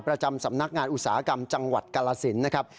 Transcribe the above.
ประจำสำนักงานอุตสาหกรรมจังหวัดกาลสินนะครับ